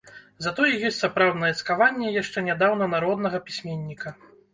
Затое ёсць сапраўднае цкаванне яшчэ нядаўна народнага пісьменніка.